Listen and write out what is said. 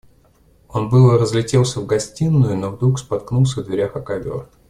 Он было разлетелся в гостиную, но вдруг споткнулся в дверях о ковер.